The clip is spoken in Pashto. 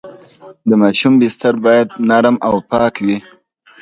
د ماشوم بستر باید نرم او پاک وي۔